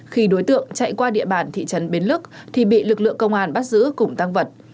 khi đối tượng chạy qua địa bàn thị trấn bến lức thì bị lực lượng công an bắt giữ cùng tăng vật